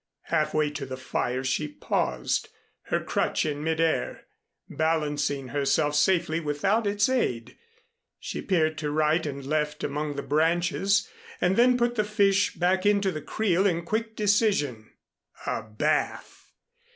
Half way to the fire she paused, her crutch in mid air, balancing herself safely without its aid. She peered to right and left among the branches and then put the fish back into the creel in quick decision. A bath!